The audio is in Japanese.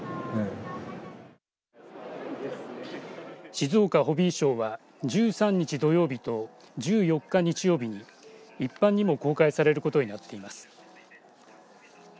静岡ホビーショーは１３日土曜日と１４日日曜日に一般にも公開されることになっています。